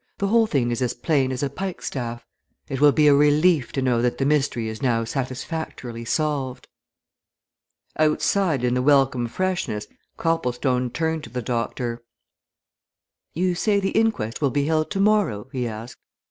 the whole thing is as plain as a pikestaff. It will be a relief to know that the mystery is now satisfactorily solved." Outside in the welcome freshness, Copplestone turned to the doctor. "You say the inquest will be held tomorrow?" he asked.